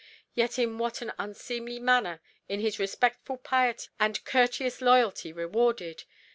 Yet in what an unseemly manner is his respectful piety and courteous loyalty rewarded!